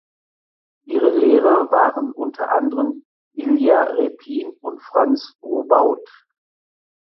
Ihre Lehrer waren unter anderen Ilja Repin und Franz Roubaud.